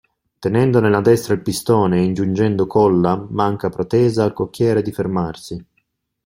Tenendo nella destra il pistone e ingiungendo colla manca protesa al cocchiere di fermarsi.